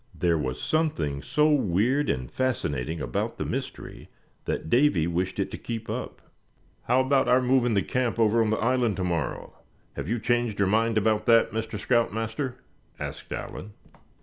There was something so weird and fascinating about the mystery that Davy wished it to keep up. "How about our moving the camp over on the island to morrow; have you changed your mind about that, Mr. Scout Master?" asked Allan.